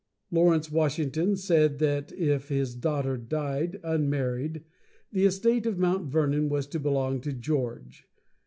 Lawrence Washington said that if his daughter died unmarried, the estate of Mount Vernon was to belong to George.